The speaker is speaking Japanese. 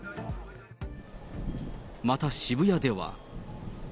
また渋谷では。